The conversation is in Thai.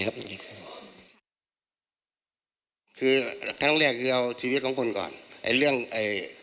ก็ได้ดีใจด้วย